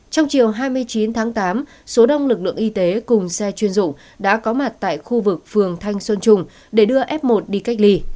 trong chiều hai mươi chín tháng tám số đông lực lượng y tế cùng xe chuyên dụng đã có mặt tại khu vực phường thanh xuân trung để đưa f một đi cách ly